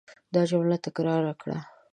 دا جمله تکرار کړه.